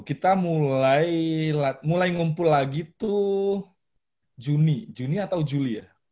kita mulai ngumpul lagi tuh juni juni atau juli ya